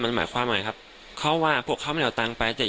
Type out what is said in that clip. มันหมายความหมายครับเขาว่าพวกเขาไม่เอาตังค์ไปแต่